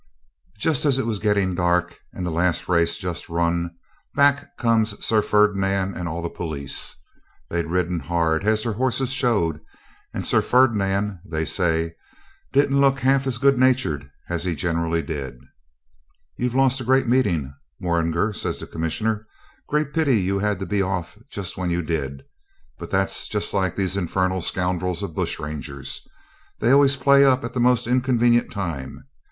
Just as it was getting dark, and the last race just run, back comes Sir Ferdinand and all the police. They'd ridden hard, as their horses showed, and Sir Ferdinand (they say) didn't look half as good natured as he generally did. 'You've lost a great meeting, Morringer,' says the Commissioner. 'Great pity you had to be off just when you did. But that's just like these infernal scoundrels of bush rangers. They always play up at the most inconvenient time.